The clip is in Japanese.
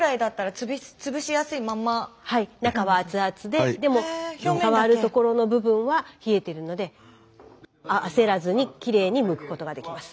中は熱々ででも触るところの部分は冷えてるので焦らずにきれいにむくことができます。